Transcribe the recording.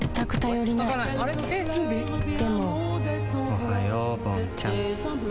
おはようぼんちゃん。